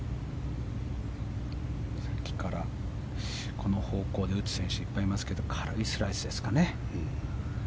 この方向に打つ選手いっぱいいますけど軽いスライスですかね。